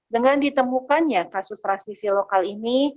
dengan ditemukannya kasus transmisi lokal ini